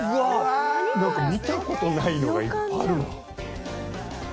何か見たことないのがいっぱいある。